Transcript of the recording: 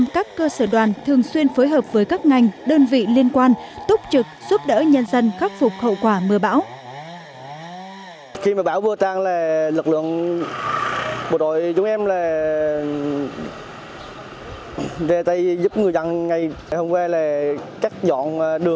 một trăm linh các cơ sở đoàn thường xuyên phối hợp với các ngành đơn vị liên quan túc trực giúp đỡ nhân dân khắc phục hậu quả mưa bão